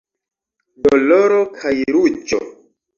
Doloro kaj ruĝo.